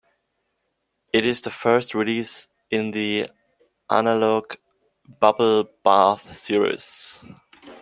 It is the first release in the "Analogue Bubblebath" series.